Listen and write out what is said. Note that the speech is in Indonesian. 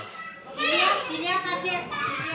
jiriah jiriah jiriah katinya